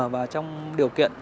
và trong điều kiện